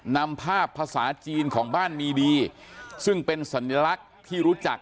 นำภาพภาษาจีนของบ้านมีดีซึ่งเป็นสัญลักษณ์ที่รู้จัก